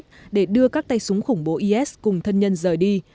trong chiến đấu khủng bố is cùng thân nhân rời đi